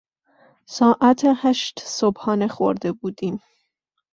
ساعت هشت صبحانه خورده بودیم.